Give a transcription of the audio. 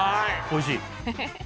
おいしい？